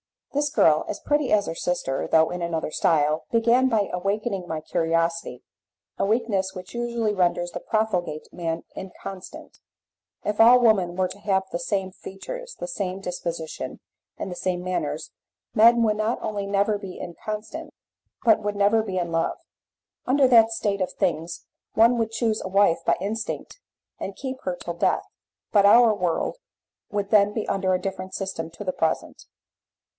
This girl, as pretty as her sister, though in another style, began by awakening my curiosity a weakness which usually renders the profligate man inconstant. If all women were to have the same features, the same disposition, and the same manners, men would not only never be inconstant, but would never be in love. Under that state of things one would choose a wife by instinct and keep to her till death, but our world would then be under a different system to the present.